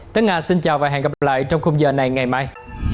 tấn hà xin chào và hẹn gặp lại trong khung giờ này ngày mai